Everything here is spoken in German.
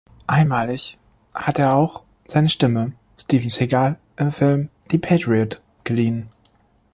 Einmalig hat er auch seine Stimme Steven Seagal im Film "The Patriot" geliehen.